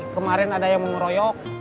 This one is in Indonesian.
ternyata ada yang ngeroyok